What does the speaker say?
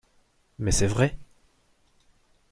Mais c'est vrai !